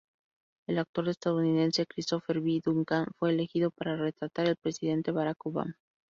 El actor estadounidense Christopher B. Duncan fue elegido para retratar el presidente Barack Obama.